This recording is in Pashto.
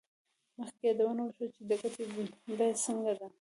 مخکې یادونه وشوه چې د ګټې بیه څنګه ده